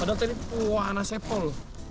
padahal tadi puana sepol